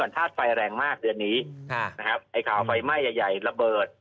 ถ้าไฟแรงมากเดือนนี้ไฟแรงแย่ระเบิด